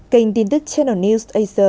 kênh tin tức channel news asia